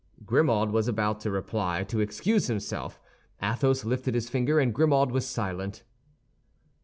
Grimaud was about to reply to excuse himself. Athos lifted his finger, and Grimaud was silent.